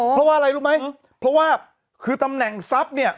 เพราะว่าอะไรรู้ไหมเพราะว่าคือตำแหน่งทรัพย์เนี่ย